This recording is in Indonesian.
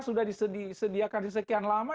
sudah disediakan di sekian lama